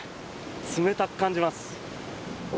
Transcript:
冷たく感じます。